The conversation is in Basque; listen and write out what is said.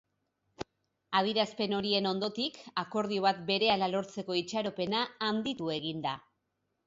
Adierazpen horien ondotik, akordio bat berehala lortzeko itxaropena handit egin da.